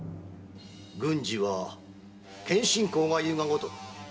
軍事は謙信公が言うが如く